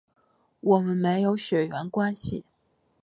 我们没有血缘关系